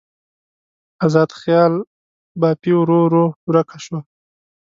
ازاده خیال بافي ورو ورو ورکه شوه.